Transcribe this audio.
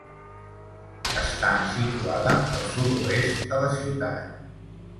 Està situada al sud-oest de la ciutat.